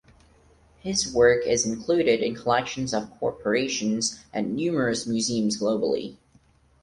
His work is included in collections of corporations and numerous museums globally.